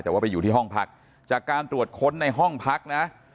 แต่ว่าไปอยู่ที่ห้องพักจากการตรวจค้นในห้องพักนะ